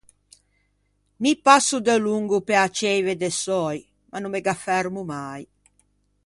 Mi passo delongo pe-a Ceive de Söi ma no me gh'affermo mai.